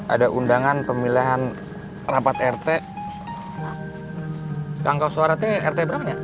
ada undangan pemilihan rapat rt